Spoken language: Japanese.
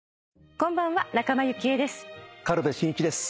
こんばんは仲間由紀恵です。